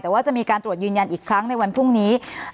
แต่ว่าจะมีการตรวจยืนยันอีกครั้งในวันพรุ่งนี้